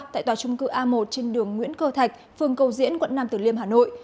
tại tòa trung cư a một trên đường nguyễn cơ thạch phường cầu diễn quận năm tử liêm hà nội